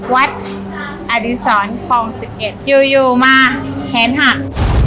วัดอดิสรห้องสิบเอ็ดอยู่อยู่มาแขนหัก